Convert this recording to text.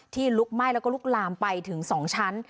ลุกไหม้แล้วก็ลุกลามไปถึง๒ชั้น